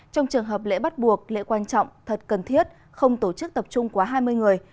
trong trường hợp lễ bắt buộc lễ quan trọng thật cần thiết không tổ chức tập trung quá hai mươi người